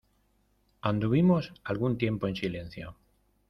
anduvimos algún tiempo en silencio: